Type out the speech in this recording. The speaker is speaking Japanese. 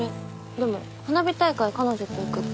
でも花火大会彼女と行くって。